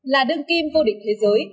là đương kim vô địch thế giới